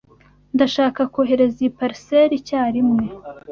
Ndashaka kohereza iyi parcelle icyarimwe